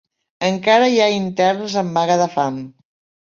Encara hi ha interns en vaga de fam